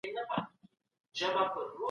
هیوادونو به د سولي لپاره هڅي کولې.